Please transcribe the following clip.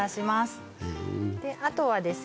はいあとはですね